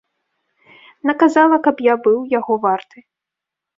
Наказала, каб я быў яго варты.